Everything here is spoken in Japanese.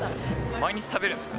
毎日食べるんですか？